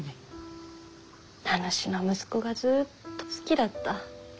名主の息子がずっと好きだった。